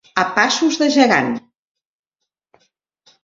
A passos de gegant.